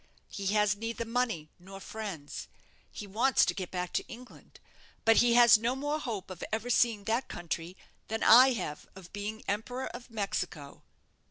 He has neither money nor friends. He wants to get back to England; but he has no more hope of ever seeing that country than I have of being Emperor of Mexico.'